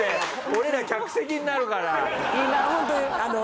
俺ら客席になるから。